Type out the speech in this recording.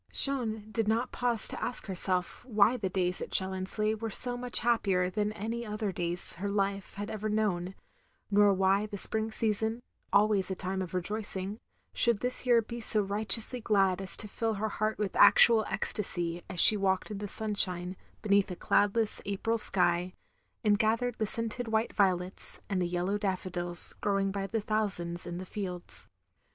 Jeanne did not pause to ask herself why the days at Challonsleigh were so much happier than any other days her life had efver known ; nor why the spring season, always a time of rejoicing, shotdd this year be so riotously glad as to fill her heart with actual ecstacy as she walked in the stinshine, beneath a cloudless April sky, and gathered the scented white violets, and the yellow daffodils growing by thousands in the fields.